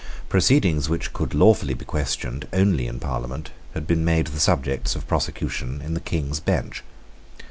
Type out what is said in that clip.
Proceedings which could lawfully be questioned only in Parliament had been made the subjects of prosecution in the King's Bench.